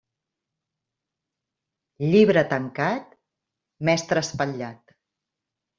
Llibre tancat, mestre espatlat.